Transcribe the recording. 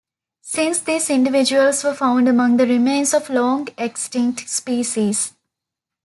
Since these individuals were found among the remains of long-extinct species.